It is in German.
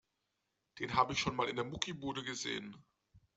Den habe ich schon mal in der Muckibude gesehen.